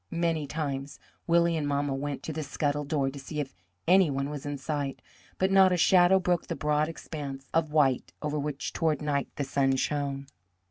Many times Willie and mamma went to the scuttle door to see if any one was in sight, but not a shadow broke the broad expanse of white over which toward night the sun shone.